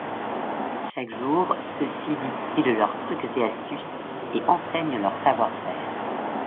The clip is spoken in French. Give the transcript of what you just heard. Chaque jour, ceux-ci distillent leurs trucs et astuces et enseignent leur savoir-faire.